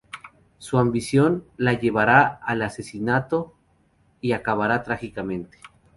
Su ambición la llevará al asesinato y acabará trágicamente.